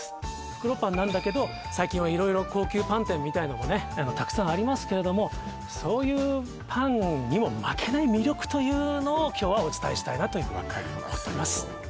袋パンなんだけど最近は色々高級パン店みたいのもたくさんありますけれどもそういうパンにも負けない魅力というのを今日はお伝えしたいなというふうに分かりますよ